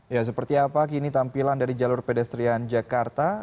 ya seperti apa kini tampilan dari jalur pedestrian jakarta